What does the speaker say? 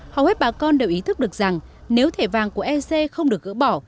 hầu hết bà con đều ý thức được rằng nếu thể vàng của ec không được gỡ bỏ